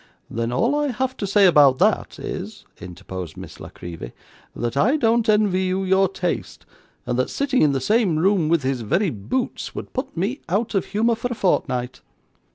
'Then all I have to say about that is,' interposed Miss La Creevy, 'that I don't envy you your taste; and that sitting in the same room with his very boots, would put me out of humour for a fortnight.